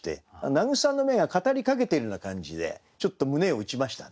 名草の芽が語りかけてるような感じでちょっと胸を打ちましたね。